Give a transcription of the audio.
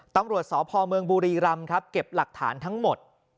ตำรวจสพเมืองบุรีรำครับเก็บหลักฐานทั้งหมด